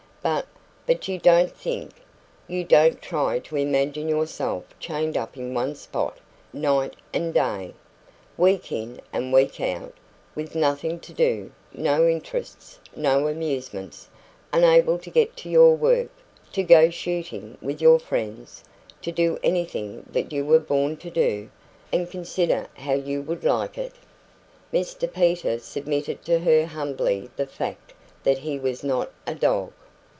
"But but you don't THINK. You don't try to imagine yourself chained up in one spot night and day, week in and week out, with nothing to do no interests, no amusements, unable to get to your work, to go shooting with your friends, to do anything that you were born to do and consider how you would like it." Mr Peter submitted to her humbly the fact that he was not a dog.